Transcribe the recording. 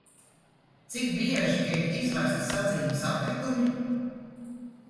Cik bieži tiek izvesti sadzīves atkritumi?